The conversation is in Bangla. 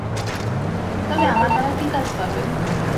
তবে আমার দ্বারা কী কাজ পাবেন?